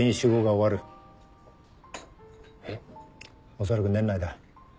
おそらく年内だ。